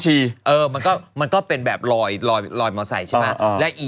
เท่านั้นบ้าง